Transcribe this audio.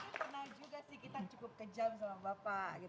kita pernah juga sih kita cukup kejam sama bapak